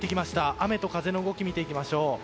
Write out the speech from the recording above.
雨と風の動きを見ていきましょう。